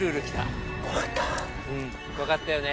怖かったよね。